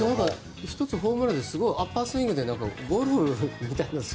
１つホームランでアッパースイングでゴルフみたいな。